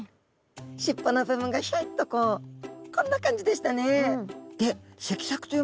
尻尾の部分がひょいっとこうこんな感じでしたね。